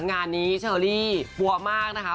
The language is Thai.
งานนี้เฉลี่ยปลัวมากนะคะ